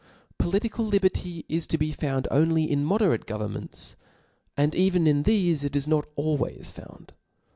Political liberty is to be found only in moderate governments : and even in thefe, it is not always found.